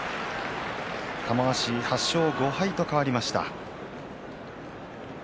玉鷲、８勝５敗と変わりました。